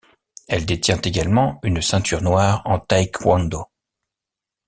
Elle détient également une ceinture noire en Taekwondo.